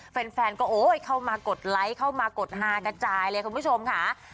แฟนก็โอ้ยเข้ามากดไลค์เข้ามากดฮากระจายเลยคุณผู้ชมค่ะ